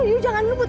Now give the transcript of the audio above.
you jangan ngebut